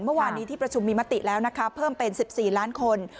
เมื่อวานนี้ที่ประชุมมีมติแล้วนะคะเพิ่มเป็น๑๔ล้านคน